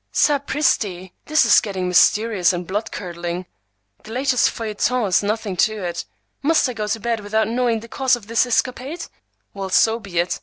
"Sapristi! This is getting mysterious and blood curdling. The latest feuilleton is nothing to it. Must I go to bed without knowing the cause of this escapade? Well, so be it.